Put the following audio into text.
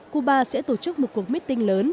cuba sẽ tổ chức một cuộc meeting lớn